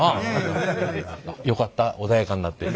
よかった穏やかになって。